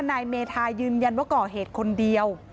นายเมธายืนยันว่าก่อเหตุคนเดียว